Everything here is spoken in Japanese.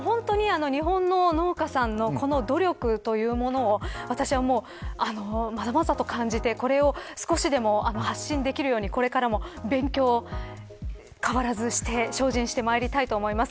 日本の農家さんの努力というものを私は、まざまざと感じてこれを少しでも発信できるように、これからも勉強を変わらずして精進していきたいです。